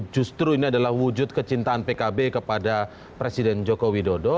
justru ini adalah wujud kecintaan pkb kepada presiden joko widodo